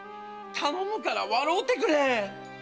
頼むから笑うてくれ。